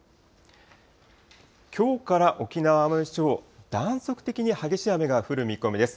きょうから沖縄・奄美地方、断続的に激しい雨が降る見込みです。